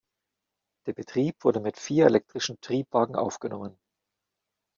Der Betrieb wurde mit vier elektrischen Triebwagen aufgenommen.